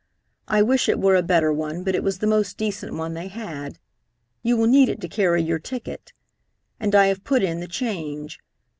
I wish it were a better one, but it was the most decent one they had. You will need it to carry your ticket. And I have put in the change.